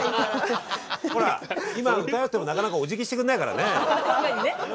ほら今歌うってもなかなかお辞儀してくんないからね。